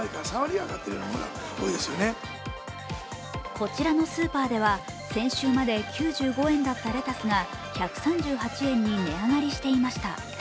こちらのスーパーでは先週まで９５円だったレタスが１３８円に値上がりしていました。